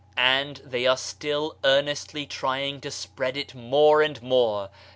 And they are still earnestly trying to spread it more and more.